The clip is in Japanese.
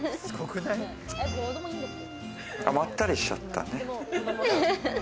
まったりしちゃったね。